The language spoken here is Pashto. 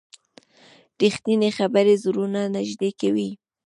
رښتیني خبرې زړونه نږدې کوي.